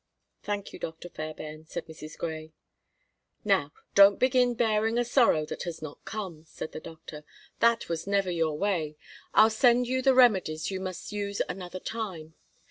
"Thank you, Dr. Fairbairn," said Mrs. Grey. "Now, don't begin bearing a sorrow that has not come," said the doctor. "That was never your way. I'll send you the remedies you must use another time.